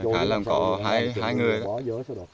khai là có hai người đó